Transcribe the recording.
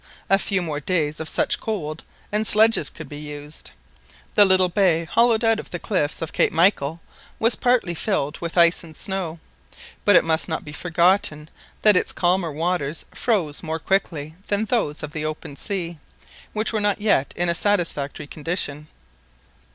A few more days of such cold and sledges could be used The little bay hollowed out of the cliffs of Cape Michael was partly filled with ice and snow, but it must not be forgotten that its calmer waters froze more quickly than those of the open sea, which were not yet in a satisfactory condition.